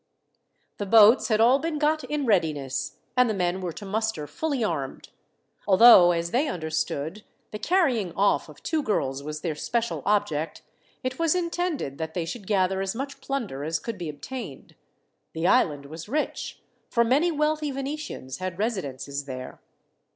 The boats had all been got in readiness, and the men were to muster fully armed. Although, as they understood, the carrying off of two girls was their special object, it was intended that they should gather as much plunder as could be obtained. The island was rich, for many wealthy Venetians had residences there.